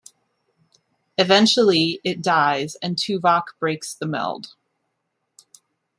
Eventually, it dies, and Tuvok breaks the meld.